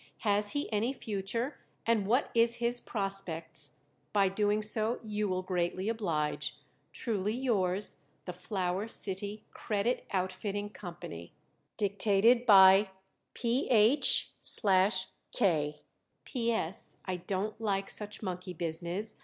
Has he any future, and what is his prospects? By doing so you will greatly oblige Truly yours, THE FLOWER CITY CREDIT OUTFITTING CO. Dic. PH/K P. S. I don't like such monkey business.